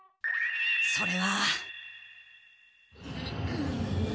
それは。